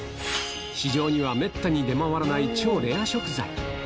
市場にはめったに出回らない超レア食材。